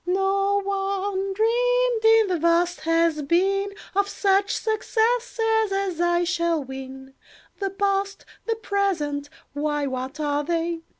"No one dreamed, in the vast Has Been, Of such successes as I shall win. "The past, the present—why, what are they?